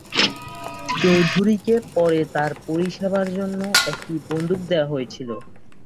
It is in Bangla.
চৌধুরীকে পরে তার পরিষেবার জন্য একটি বন্দুক দেওয়া হয়েছিল।